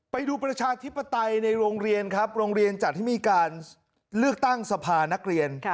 ประชาธิปไตยในโรงเรียนครับโรงเรียนจัดให้มีการเลือกตั้งสภานักเรียน